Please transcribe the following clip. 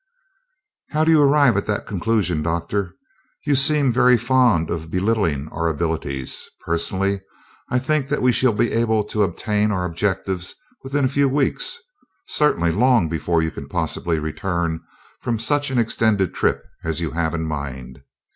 "How do you arrive at that conclusion, Doctor? You seem very fond of belittling our abilities. Personally, I think that we shall be able to attain our objectives within a few weeks certainly long before you can possibly return from such an extended trip as you have in mind.